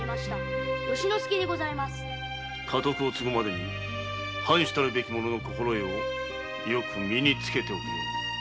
家督を継ぐまでに藩主たるべき者の心得を身につけておくように。